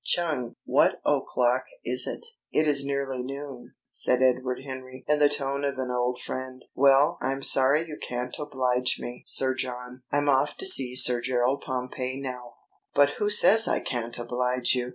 Chung, what o'clock is it?" "It is nearly noon," said Edward Henry in the tone of an old friend. "Well, I'm sorry you can't oblige me, Sir John. I'm off to see Sir Gerald Pompey now." "But who says I can't oblige you?"